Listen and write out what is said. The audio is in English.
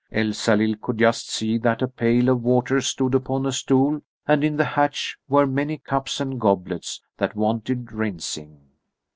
Elsalill could just see that a pail of water stood upon a stool, and in the hatch were many cups and goblets that wanted rinsing.